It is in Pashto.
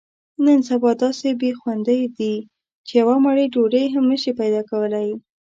نن سبا داسې بې خوندۍ دي، چې یوه مړۍ ډوډۍ هم نشې پیداکولی.